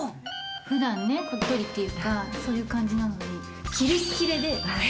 ふだんね、おっとりっていうか、そういう感じなのに、キレッキレで。